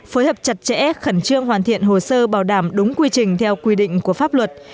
phối hợp chặt chẽ khẩn trương hoàn thiện hồ sơ bảo đảm đúng quy trình theo quy định của pháp luật